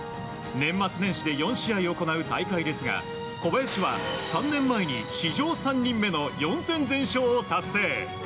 年末年始で４試合行う大会ですが小林は３年前に史上３人目の４戦全勝を達成。